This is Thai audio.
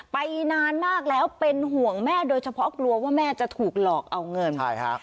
ไปนานมากแล้วเป็นห่วงแม่โดยเฉพาะกลัวว่าแม่จะถูกหลอกเอาเงินใช่ฮะ